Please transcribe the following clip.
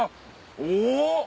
お！